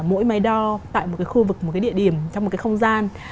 mỗi máy đo tại một cái khu vực một cái địa điểm trong một cái không gian